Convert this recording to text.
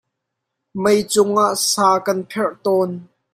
Meicung ah sa kan pherh tawn.